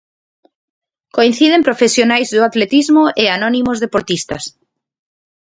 Coinciden profesionais do atletismo e anónimos deportistas.